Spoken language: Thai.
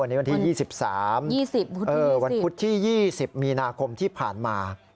วันนี้วันที่๒๓วันพุธที่๒๐มีนาคมที่ผ่านมา